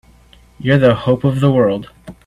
You're the hope of the world!